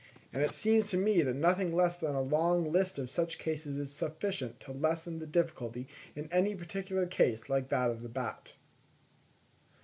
And it seems to me that nothing less than a long list of such cases is sufficient to lessen the difficulty in any particular case like that of the bat.